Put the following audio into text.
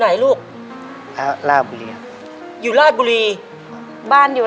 ในแคมเปญพิเศษเกมต่อชีวิตโรงเรียนของหนู